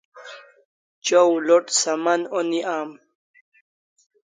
Chaw load Saman oni am